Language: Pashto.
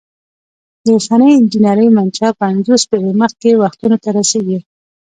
د اوسنۍ انجنیری منشا پنځوس پیړۍ مخکې وختونو ته رسیږي.